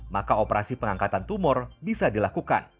maka operasi pengangkatan tumor bisa dilakukan